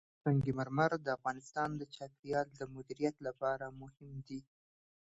سنگ مرمر د افغانستان د چاپیریال د مدیریت لپاره مهم دي.